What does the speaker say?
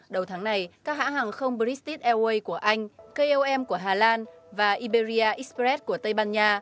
đầu tháng này các hãng hàng không bristit airways của anh kolm của hà lan và iberia express của tây ban nha